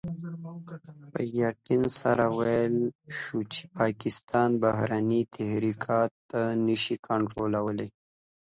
په يقين سره ويلای شو چې پاکستان بهرني تحرکات نشي کنټرولولای.